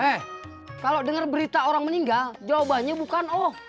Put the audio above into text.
eh kalau dengar berita orang meninggal jawabannya bukan oh